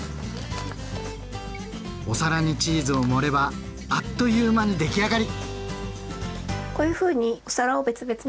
お皿にチーズを盛ればあっという間に出来上がり！